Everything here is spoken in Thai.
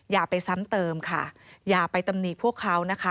อย่าไปซ้ำเติมค่ะอย่าไปตำหนิพวกเขานะคะ